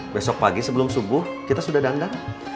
besok pagi sebelum subuh kita sudah dandang